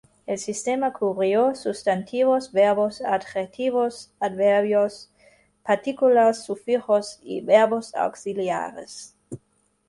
El sistema cubrió sustantivos, verbos, adjetivos, adverbios, partículas, sufijos, y verbos auxiliares.